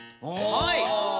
はい。